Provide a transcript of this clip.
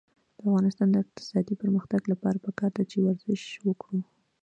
د افغانستان د اقتصادي پرمختګ لپاره پکار ده چې ورزش وکړو.